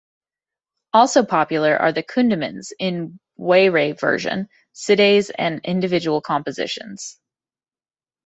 Also popular are the kundimans in Waray version, sidays and individual compositions.